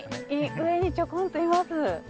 上にちょこんといます。